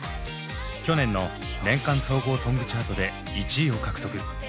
去年の年間総合ソングチャートで１位を獲得。